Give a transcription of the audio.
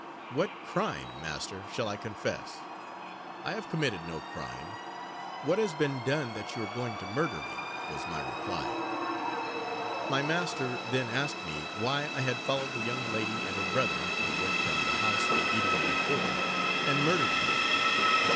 "What crime, master, shall I confess? I have committed no crime what has been done, that you are going to murder me?" was my reply. My master then asked me why I had followed the young lady and her brother, who went from the house the evening before, and murdered her?